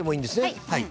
はい。